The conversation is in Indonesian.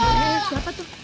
eh siapa tuh